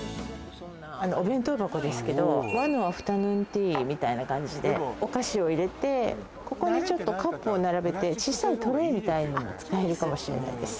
お弁当箱ですけど和のアフタヌーンティーみたいな感じでお菓子を入れてここにちょっとカップを並べて小さいトレイみたいにも使えるかもしれないです